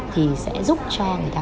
thì sẽ giúp cho người ta